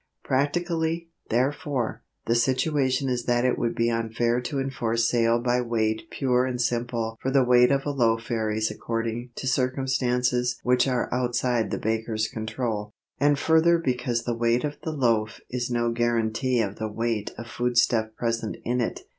Practically, therefore, the situation is that it would be unfair to enforce sale by weight pure and simple for the weight of a loaf varies according to circumstances which are outside the baker's control, and further because the weight of the loaf is no guarantee of the weight of foodstuff present in it.